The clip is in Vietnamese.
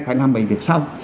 phải làm mấy việc sau